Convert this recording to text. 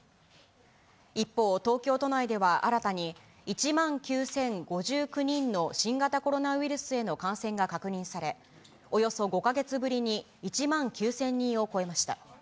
一方、東京都内では新たに１万９０５９人の新型コロナウイルスへの感染が確認され、およそ５か月ぶりに１万９０００人を超えました。